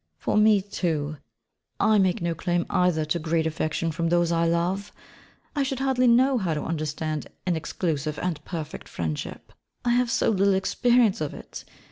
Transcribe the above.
For me too, I make no claim either to great affection from those I love; I should hardly know how to understand an exclusive and perfect friendship, I have so little experience of it!